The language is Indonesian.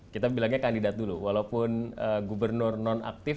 kita bilangnya kandidat dulu walaupun gubernur nonaktif